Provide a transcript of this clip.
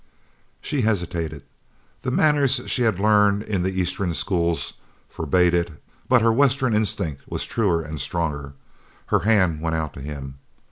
She hesitated. The manners she had learned in the Eastern school forbade it, but her Western instinct was truer and stronger. Her hand went out to him.